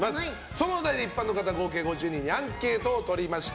そのお題で一般の方合計５０人にアンケートをとりました。